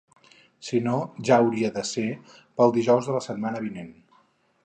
Si no, ja hauria de ser pel dijous de la setmana vinent.